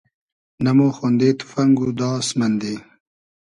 نۂ مۉ خۉندې توفئنگ و داس مئندی